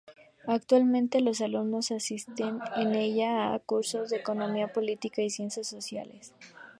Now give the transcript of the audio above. Actualmente los alumnos asisten en ella a cursos de Economía, Política y Ciencias sociales.